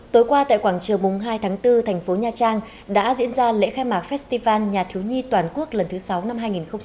tối qua tại quảng trường hai tháng bốn thành phố nha trang đã diễn ra lễ khai mạc festival nhà thiếu nhi toàn quốc lần thứ sáu năm hai nghìn hai mươi